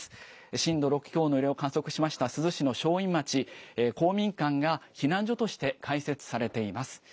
震度６強の揺れを観測しました珠洲市の正院町、公民館が避難所として開設されています。